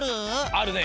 あるね！